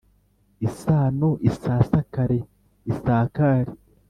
Isano isasakare isakare.